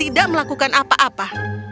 tidak melakukan apa apa